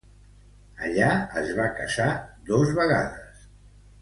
Allà es va casar dos vegades.